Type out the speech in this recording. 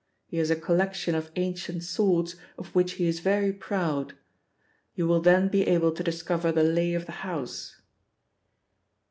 He has a collection of ancient swords of which he is very proud. You will then be able to discover the lay of the house.'